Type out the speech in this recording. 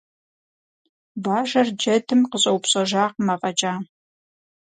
Бажэр джэдым къыщӏэупщӏэжакъым афӏэкӏа.